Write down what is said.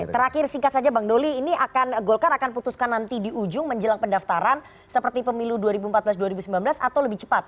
terakhir singkat saja bang doli ini akan golkar akan putuskan nanti di ujung menjelang pendaftaran seperti pemilu dua ribu empat belas dua ribu sembilan belas atau lebih cepat